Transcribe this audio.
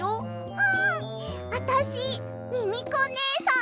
うん！あたしミミコねえさんそっくり！